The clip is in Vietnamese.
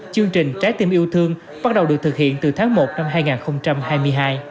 chương trình trái tim yêu thương bắt đầu được thực hiện từ tháng một năm hai nghìn hai mươi hai